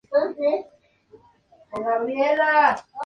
En una temporada pueden tener de una a tres generaciones.